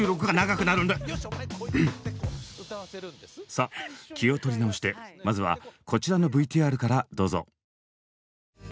さっ気を取り直してまずはこちらのＶＴＲからどうぞ。